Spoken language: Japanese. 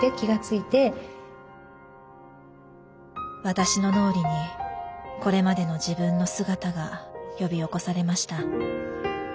私の脳裏にこれまでの自分の姿が呼び起こされました。